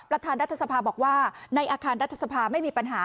ประธานรัฐสภาบอกว่าในอาคารรัฐสภาไม่มีปัญหา